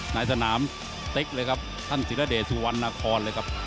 ในสนามเต็กเลยครับท่านศิลเดชสุวรรณครเลยครับ